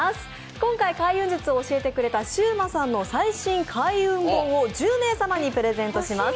今回開運術を教えてくれたシウマさんの最新開運本を１０名様にプレゼントします。